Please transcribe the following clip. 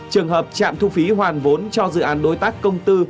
trường hợp trạm thu phí hoàn vốn cho dự án đối tác công tư